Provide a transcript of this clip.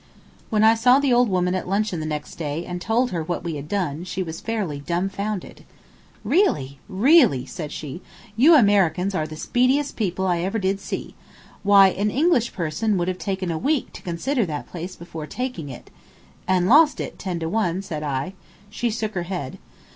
When I saw the old woman at luncheon the next day and told her what we had done she was fairly dumfounded. "Really! really!" she said, "you Americans are the speediest people I ever did see. Why, an English person would have taken a week to consider that place before taking it." "And lost it, ten to one," said I. She shook her head.